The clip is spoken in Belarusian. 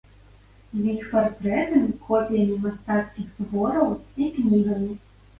З іх партрэтамі, копіямі мастацкіх твораў і кнігамі.